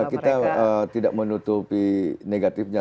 kita tidak menutupi negatifnya